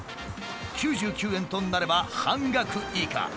９９円となれば半額以下。